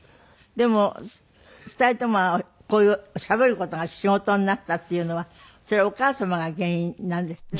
でも２人ともこういうしゃべる事が仕事になったっていうのはそれお母様が原因なんですって？